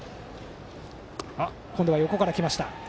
今度は横から来ました。